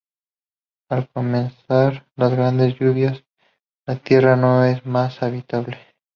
Al comenzar las Grandes Lluvias, la Tierra no es más habitable.